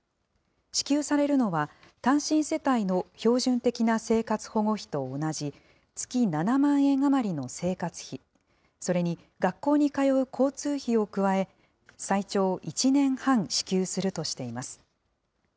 支給されるのは、単身世帯の標準的な生活保護費と同じ月７万円余りの生活費、それに学校に通う交通費を加え、最長１年半支給するとしています。